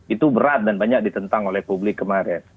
itu berat dan banyak ditentang oleh publik kemarin